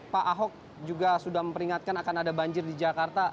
pak ahok juga sudah memperingatkan akan ada banjir di jakarta